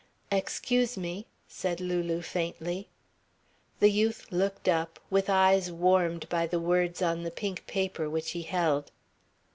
"Excuse me," said Lulu faintly. The youth looked up, with eyes warmed by the words on the pink paper which he held.